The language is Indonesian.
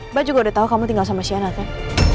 mbak juga udah tau kamu tinggal sama sienna kan